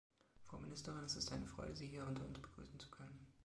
Frau Ministerin, es ist eine Freude, Sie hier unter uns begrüßen zu können.